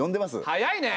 早いね。